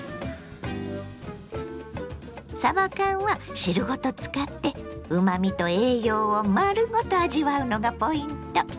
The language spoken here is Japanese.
さば缶は汁ごと使ってうまみと栄養を丸ごと味わうのがポイント。